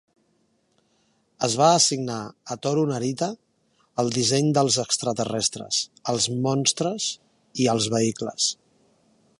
Es va assignar a Tohru Narita el disseny dels extraterrestres, els monstres i els vehicles.